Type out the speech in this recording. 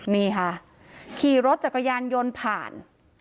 นี่ค่ะขี่รถจักรยานยนต์ผ่าน